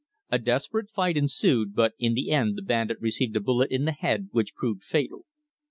A desperate fight ensued, but in the end the bandit received a bullet in the head which proved fatal.